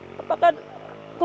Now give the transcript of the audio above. apakah keluarga saya yang terpanggil